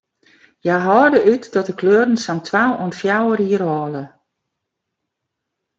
Hja hâlde út dat de kleuren sa'n twa oant fjouwer jier hâlde.